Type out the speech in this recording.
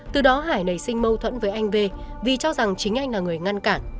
từ đó hải nảy sinh mâu thuẫn với anh v vì cho rằng chính anh là người ngăn cản